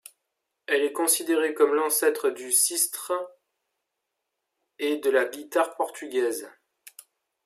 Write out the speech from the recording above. Elle est considérée comme l'ancêtre du cistre et de la guitare portugaise.